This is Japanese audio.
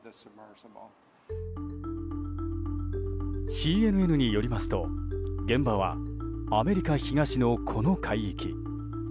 ＣＮＮによりますと現場はアメリカ東の、この海域。